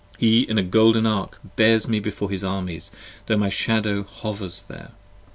He in a golden Ark, 5 Bears me before his Armies tho' my shadow hovers here.